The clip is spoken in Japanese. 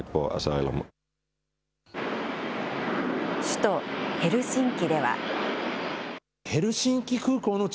首都ヘルシンキでは。